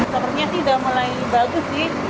sepertinya sudah mulai bagus sih